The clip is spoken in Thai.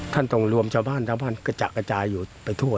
ท่านต้องรวมชาวบ้านทาวบ้านกระจากัจากายอยู่ไปทั่ว